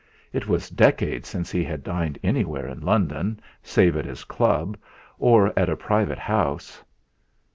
It was decades since he had dined anywhere in London save at his Club or at a private house.